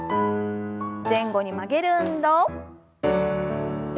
前後に曲げる運動。